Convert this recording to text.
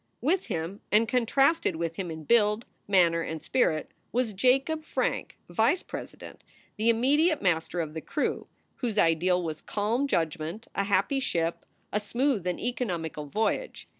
With him, and contrasted with him in build, manner, and spirit, was Jacob Frank, vice president, the immediate master of the crew, whose ideal was calm judgment, a happy ship, a smooth and economical voyage.